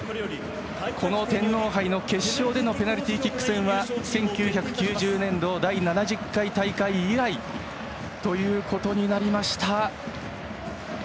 この天皇杯の決勝でのペナルティーキック戦は１９９０年度、第７０回大会以来ということになりました。